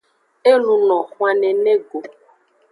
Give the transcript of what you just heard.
E luno xwan nene go.